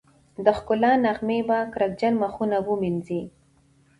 د ښکلا نغمې به کرکجن مخونه ومينځي